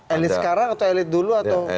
elit sekarang atau elit dulu atau